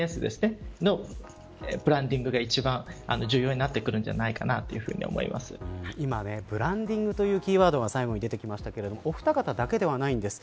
そのブランディングが一番重要になってくるんじゃ今ブランディングというキーワードが最後に出てきましたがお二方だけではないんです。